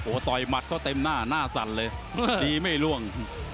โอ้โหต่อยหมัดเขาเต็มหน้าหน้าสั่นเลยดีไม่ล่วง